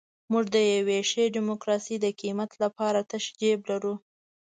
موږ د یوې ښې ډیموکراسۍ د قیمت لپاره تش جیب لرو.